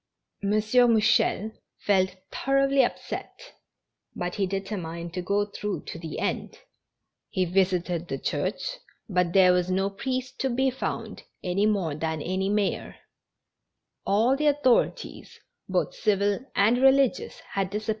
M. Mou chel felt thoroughly upset, but he determined to go through to the end, and he visited the church, but there GENERAL H.vPPINESS. 237 was no priest to be found any moi t^lian any aayor. All the authorities, both civil and religious, hau disi.